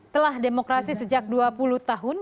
telah demokrasi sejak dua puluh tahun